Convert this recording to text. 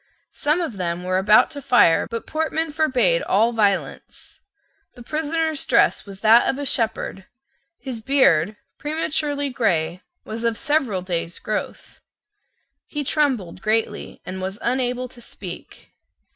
Some of them were about to fire: but Portman forbade all violence. The prisoner's dress was that of a shepherd; his beard, prematurely grey, was of several days' growth. He trembled greatly, and was unable to speak.